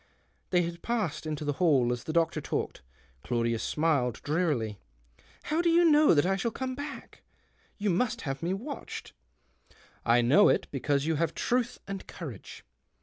They had passed into the hall, as the doctor talked. Claudius smiled drearily. " How do you know that I shall come back ? You must have me watched." " I know it, because you have truth and courage.